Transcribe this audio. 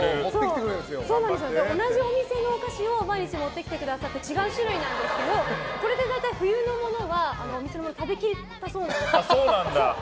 同じお店のお菓子を毎日持ってきてくださって違う種類なんですけどこれで大体冬のお店のもの食べきったそうなんです。